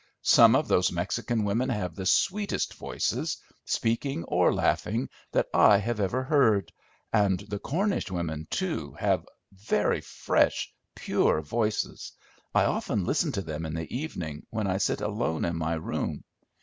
"Some of those Mexican women have the sweetest voices, speaking or laughing, that I have ever heard; and the Cornish women, too, have very fresh, pure voices. I often listen to them in the evening when I sit alone in my room.